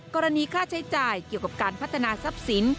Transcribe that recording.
กรณีค่าใช้จ่ายเกี่ยวกับการพัฒนาทรัพย์สิน